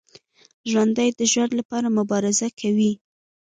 ژوندي د ژوند لپاره مبارزه کوي